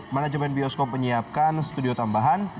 manajemen bioskop menyiapkan studio tambahan